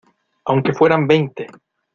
aunque fueran veinte